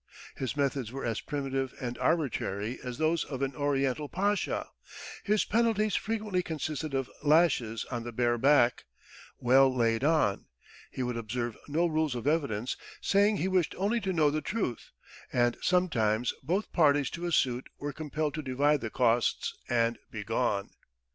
His methods were as primitive and arbitrary as those of an Oriental pasha; his penalties frequently consisted of lashes on the bare back "well laid on;" he would observe no rules of evidence, saying he wished only to know the truth; and sometimes both parties to a suit were compelled to divide the costs and begone.